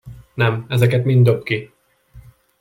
Nem, ezeket mind dobd ki!